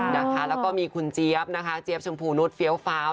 แล้วก็มีคุณเจี๊ยบนะคะเจี๊ยบชมพูนุษย์เฟี้ยวฟ้าว